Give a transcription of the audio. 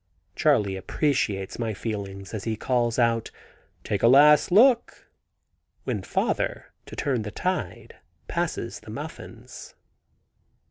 Charley appreciates my feelings as he calls out, "Take a last look," when father, to turn the tide, passes the muffins.